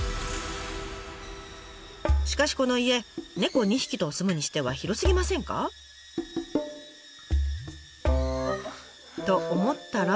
しかしこの家猫２匹と住むにしては広すぎませんか？と思ったら。